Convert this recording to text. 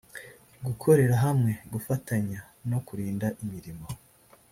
gukorera hamwe, gufatanya, no kurinda imirimo